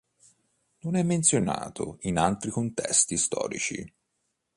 Non è menzionato in altri contesti storici.